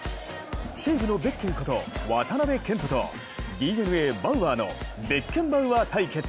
西部のベッケンこと渡部健人とＤｅＮＡ・バウアーのベッケンバウアー対決。